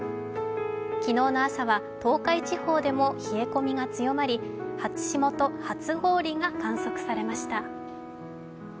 昨日の朝は東海地方でも冷え込みが強まり、初霜と初氷が観測されました。